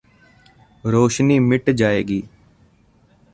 ਰੋਸ਼ਨੀ ਮਿਟ ਜਾਏਗੀ